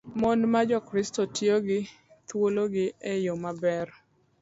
Mon ma Jokristo tiyo gi thuologi e yo maber.